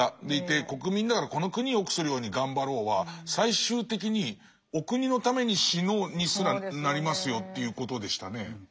でいて国民だからこの国をよくするように頑張ろうは最終的にお国のために死のうにすらなりますよっていうことでしたね？